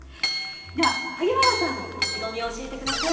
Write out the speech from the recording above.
では萩原さん、意気込みを教えてください。